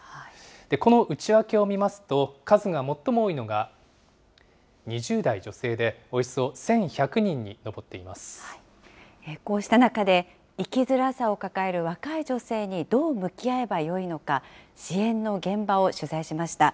この内訳を見ますと、数が最も多いのが、２０代女性で、およそ１こうした中で、生きづらさを抱える若い女性にどう向き合えばよいのか、支援の現場を取材しました。